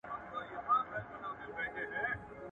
چي ئې زده کړي پر پېکي، هېر به ئې نه سي پر نگښي.